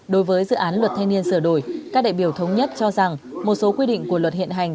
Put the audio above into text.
đối với dự án luật thanh niên sửa đổi các đại biểu thống nhất cho rằng một số quy định của luật hiện hành